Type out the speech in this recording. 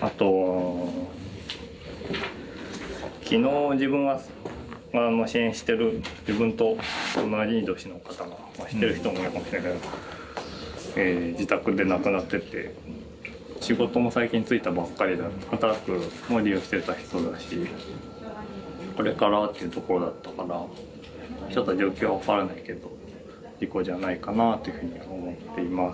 あと昨日自分が支援してる自分と同い年の方が知ってる人もいるかもしれない自宅で亡くなってて仕事も最近就いたばっかりだった。はたらっくも利用してた人だしこれからというところだったからちょっと状況は分からないけど事故じゃないかなというふうには思っています。